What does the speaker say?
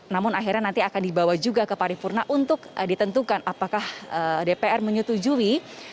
namun akhirnya nanti akan dibawa juga ke paripurna untuk ditentukan apakah dpr menyetujui